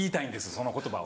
その言葉を。